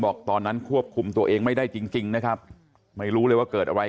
บอกตอนนั้นควบคุมตัวเองไม่ได้จริงนะครับ